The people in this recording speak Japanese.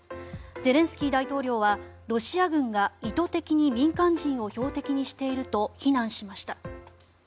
ゼレンスキー大統領はロシア軍が意図的に民間人を標的にしていると非難しました。